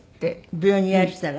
病院いらしたら？